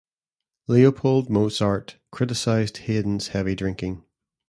Leopold Mozart criticized Haydn's heavy drinking.